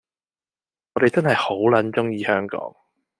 我哋真係好撚鍾意香港